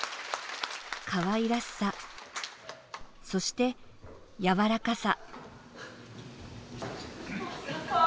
かわいらしさ、そして、柔らかさ。